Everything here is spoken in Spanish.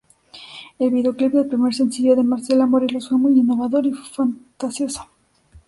El videoclip del primer sencillo de Marcela Morelo fue muy innovador y fantasioso.